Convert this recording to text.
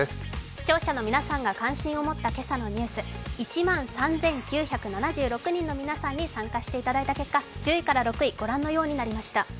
視聴者の皆さんが関心を持った今朝のニュース、１万３９７６人の皆さんに参加していただいた結果、１０位から６位、ご覧のようになりました。